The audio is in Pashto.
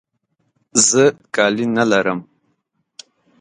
زه کالي نه لرم.